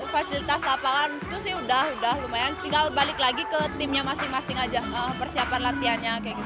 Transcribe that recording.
pertanding di ajang persiapan latihan